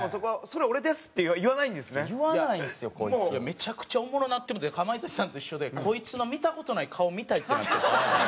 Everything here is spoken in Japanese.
めちゃくちゃおもろなってもうてかまいたちさんと一緒でこいつの見た事ない顔見たいってなったんですよ。